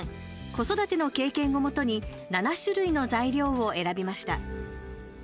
子育ての経験をもとに７種類の材料を選びました。